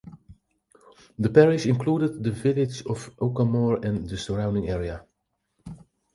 The parish includes the village of Oakamoor and the surrounding area.